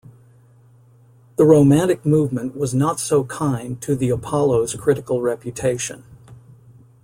The Romantic movement was not so kind to the "Apollo"'s critical reputation.